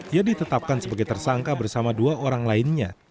ia ditetapkan sebagai tersangka bersama dua orang lainnya